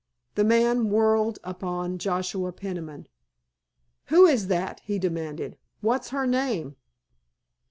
The man whirled upon Joshua Peniman. "Who is that?" he demanded. "What's her name?"